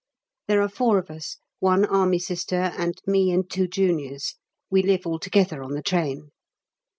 There are four of us, one Army Sister and me and two juniors; we live altogether on the train.